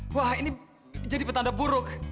wah ini jadi petanda buruk